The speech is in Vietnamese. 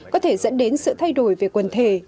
có thể dẫn đến sự thay đổi về quần thể